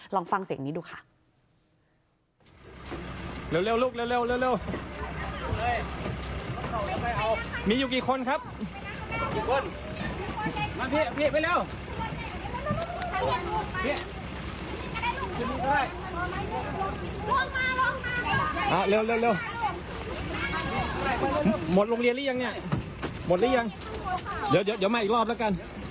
ลองฟังเสียงนี้ดูค่ะ